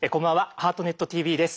「ハートネットＴＶ」です。